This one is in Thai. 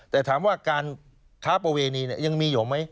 แต่ถามว่าการค้าประเวณียังมีอยู่ไหม